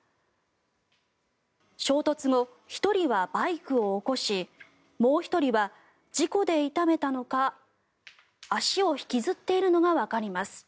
衝突後、１人はバイクを起こしもう１人は事故で痛めたのか足を引きずっているのがわかります。